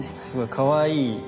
すごいかわいい。